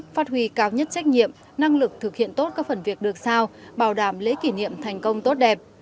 phát huy cao nhất trách nhiệm năng lực thực hiện tốt các phần việc được sao bảo đảm lễ kỷ niệm thành công tốt đẹp